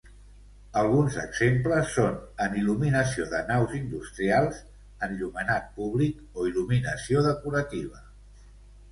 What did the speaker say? Alguns exemples són en il·luminació de naus industrials, enllumenat públic o il·luminació decorativa.